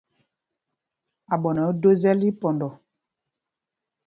Aɓɔnɔ ɛ́ ɛ́ do zɛ́l tí pɔndɔ.